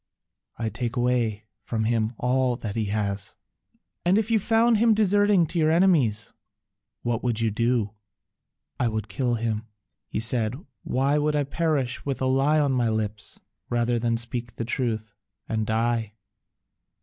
"I take away from him all that he has." "And if you found him deserting to your enemies, what would you do?" "I would kill him," he said: "why should I perish with a lie on my lips rather than speak the truth and die?"